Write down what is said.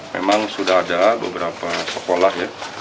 memang sudah ada beberapa sekolah ya